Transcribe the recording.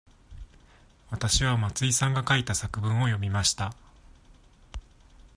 わたしは松井さんが書いた作文を読みました。